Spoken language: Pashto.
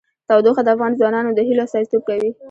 تودوخه د افغان ځوانانو د هیلو استازیتوب کوي.